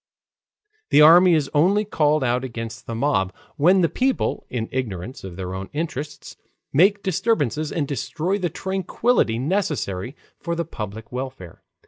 The army is only called out against the mob, when the people, in ignorance of their own interests, make disturbances and destroy the tranquillity necessary for the public welfare.